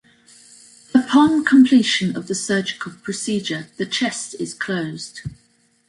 Upon completion of the surgical procedure, the chest is closed.